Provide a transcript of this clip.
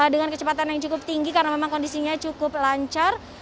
dengan kecepatan yang cukup tinggi karena memang kondisinya cukup lancar